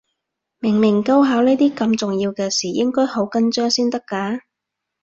明明高考呢啲咁重要嘅事，應該好緊張先得㗎